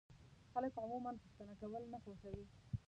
خلک عموما پوښتنه کول نه خوښوي.